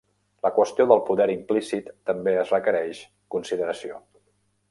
La qüestió del poder implícit també es requereix consideració.